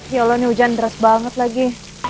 ya allah ini hujan deras banget lagi